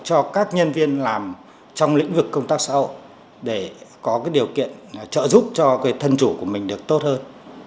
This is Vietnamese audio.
cho các nhân viên làm trong lĩnh vực công tác xã hội để có cái điều kiện trợ giúp cho cái thân chủ của mình được tốt hơn